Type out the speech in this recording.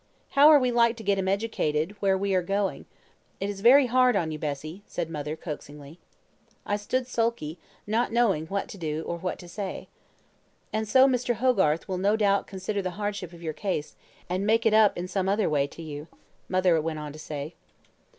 How are we like to get him educated where we are going? It is very hard on you, Bessie,' said mother, coaxingly. "I stood sulky, not knowing what to do or what to say. "'And Mr. Hogarth will no doubt consider the hardship of your case, and make it up in some other way to you,' mother went on to say.